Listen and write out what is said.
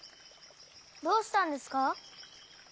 どうしたんですか？